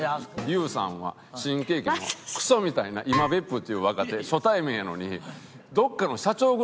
ＹＯＵさんは新喜劇のクソみたいな今別府っていう若手初対面やのに。